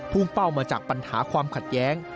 เป้ามาจากปัญหาความขัดแย้ง